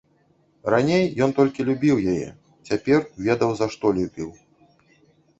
Раней ён толькі любіў яе, цяпер ведаў, за што любіў.